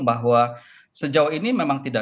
bahwa sejauh ini memang tidak